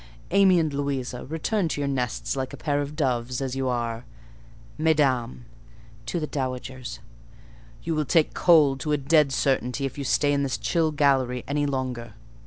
Amy and Louisa, return to your nests like a pair of doves, as you are. Mesdames" (to the dowagers), "you will take cold to a dead certainty, if you stay in this chill gallery any longer."